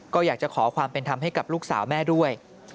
ก็อยากจะขอความเป็นธรรมให้กับลูกสาวแม่ด้วย